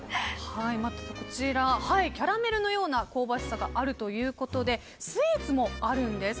また、こちらキャラメルのような香ばしさがあるということでスイーツもあるんです。